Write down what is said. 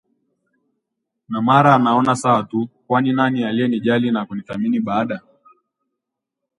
na mara naona sawa tu kwani nani aliyenijali na kunithamini baada